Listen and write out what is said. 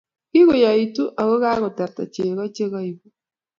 Kikuyaitu aku kaketarta chego che kaibuu